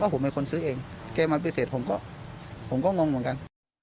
ผมเป็นคนซื้อเองแกมาปฏิเสธผมก็ผมก็งงเหมือนกัน